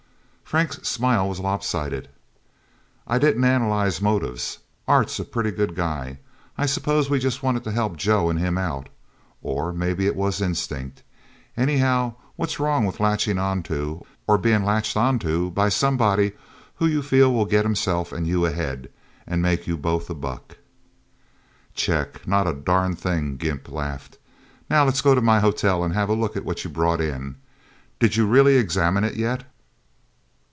Frank's smile was lopsided. "I didn't analyze motives. Art's a pretty good guy. I suppose we just wanted to help Joe and him out. Or maybe it was instinct. Anyhow, what's wrong with latching onto or being latched onto by somebody whom you feel will get himself and you ahead, and make you both a buck?" "Check. Not a darn thing," Gimp laughed. "Now let's go to my hotel and have a look at what you brought in. Did you really examine it, yet?"